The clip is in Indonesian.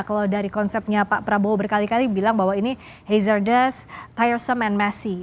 meskipnya pak prabowo berkali kali bilang bahwa ini hazardous tiresome and messy